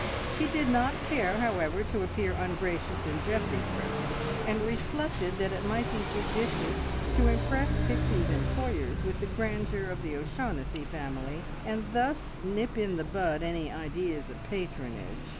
She did not care, however, to appear ungracious in Geoffrey's presence, and reflected that it might be judicious to impress Pixie's employers with the grandeur of the O'Shaughnessy family, and thus nip in the bud any ideas of patronage.